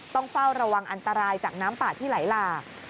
ต้องเฝ้าระวังอันตรายจากน้ำป่าที่ไหลหลาก